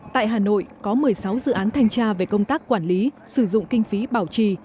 tại hà nội có một mươi sáu dự án thanh tra về công tác quản lý sử dụng kinh phí bảo trì